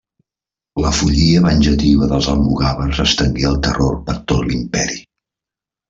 La follia venjativa dels almogàvers estengué el terror per tot l'imperi.